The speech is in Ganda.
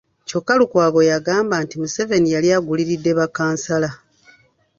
Kyokka Lukwago yagamba nti Museveni yali aguliridde bakkansala .